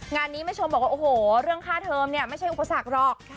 งานนี้แม่ชมบอกว่าโอ้โหเรื่องค่าเทอมเนี่ยไม่ใช่อุปสรรคหรอก